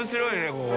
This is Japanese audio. ここ。